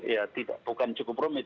ya bukan cukup rumit